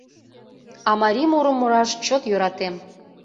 А марий мурым мураш чот йӧратем.